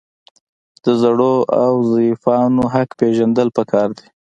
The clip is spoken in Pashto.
د زړو او ضعیفانو حق پیژندل پکار دي.